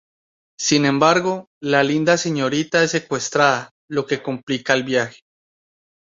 Sin embargo, la linda señorita es secuestrada, lo que complica el viaje.